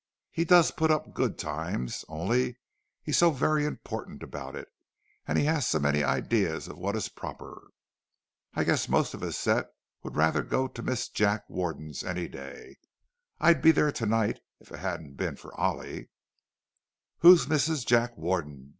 He does put up good times—only he's so very important about it, and he has so many ideas of what is proper! I guess most of his set would rather go to Mrs. Jack Warden's any day; I'd be there to night, if it hadn't been for Ollie." "Who's Mrs. Jack Warden?"